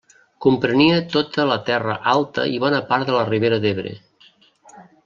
Comprenia tota la Terra Alta i bona part de la Ribera d'Ebre.